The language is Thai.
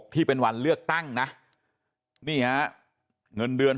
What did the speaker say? ที่เป็นวันเลือกตั้งนะนี่ฮะเงินเดือน